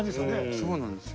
そうなんですよ